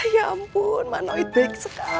ya ampun mak noit baik sekali